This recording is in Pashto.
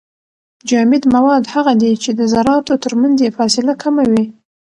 جامد مواد هغه دي چي د زراتو ترمنځ يې فاصله کمه وي.